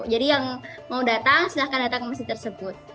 jadi yang mau datang silahkan datang ke masjid tersebut